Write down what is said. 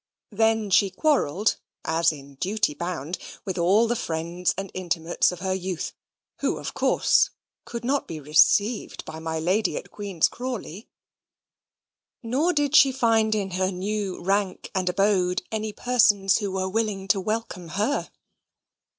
Then she quarrelled, as in duty bound, with all the friends and intimates of her youth, who, of course, could not be received by my Lady at Queen's Crawley nor did she find in her new rank and abode any persons who were willing to welcome her.